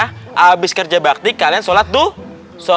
habis kerja bakti kalian sholat tuh